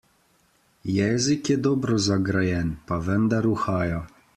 Jezik je dobro zagrajen, pa vendar uhaja.